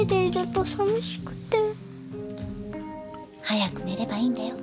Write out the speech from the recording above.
早く寝ればいいんだよ。